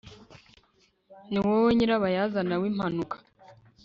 ni wowe nyirabayazana w'impanuka